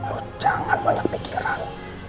lo jangan banyak pikiran